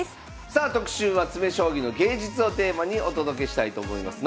さあ特集は詰将棋の芸術をテーマにお届けしたいと思います。